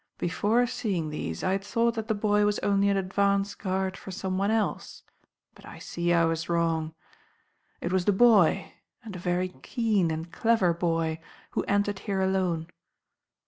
Before seeing these I had thought that the boy was only an advance guard for some one else, but I see I was wrong. It was the boy, and a very keen and clever boy, who entered here alone.